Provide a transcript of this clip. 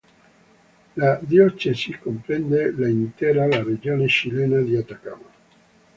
La diocesi comprende l'intera la regione cilena di Atacama.